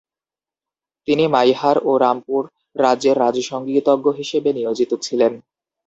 তিনি মাইহার ও রামপুর রাজ্যের রাজসঙ্গীতজ্ঞ হিসেবে নিয়োজিত ছিলেন।